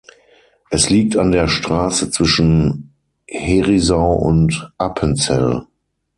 Es liegt an der Strasse zwischen Herisau und Appenzell.